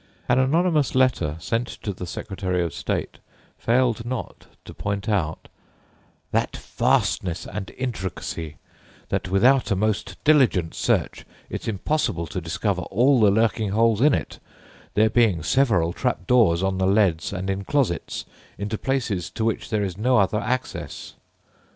An anonymous letter sent to the Secretary of State failed not to point out "that vastness and intricacy that without a most diligent search it's impossible to discover _all the lurking holes in it, there being severall trap dores on the leads and in closetts, into places to which there is no other access.